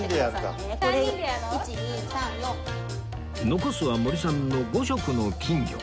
残すは森さんの５色の金魚